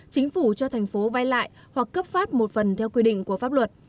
chính phủ cho tp hcm vay lại hoặc cấp phát một phần theo quy định của pháp luật